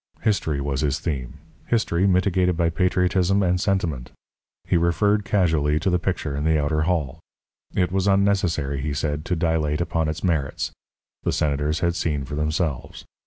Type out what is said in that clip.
History was his theme history mitigated by patriotism and sentiment. He referred casually to the picture in the outer hall it was unnecessary, he said, to dilate upon its merits the Senators had seen for themselves.